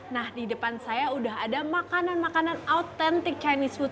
nah di depan saya udah ada makanan makanan autentik chinese food